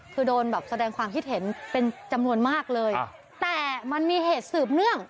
คือโดนแบบแสดงความคิดเห็นเป็นจำนวนมากเลยแต่มันมีเหตุสืบเนื่อง